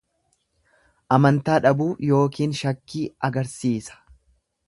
Amantaa dhabuu yookiin shakkii agarsiisa.